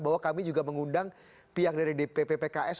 bahwa kami juga mengundang pihak dari dpp pks